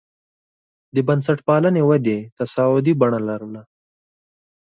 د بنسټپالنې ودې تصاعدي بڼه لرله.